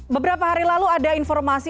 beberapa hari lalu ada informasi